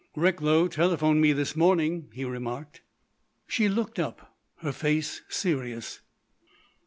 "Recklow telephoned me this morning," he remarked. She looked up, her face serious.